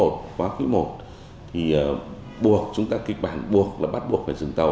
thì buộc chúng ta kịch bản buộc là bắt buộc phải dừng tàu